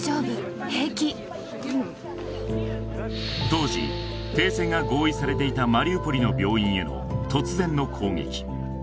当時停戦が合意されていたマリウポリの病院への突然の攻撃